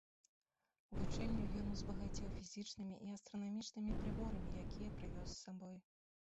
Вучэльню ён узбагаціў фізічнымі і астранамічнымі прыборамі, якія прывёз з сабой.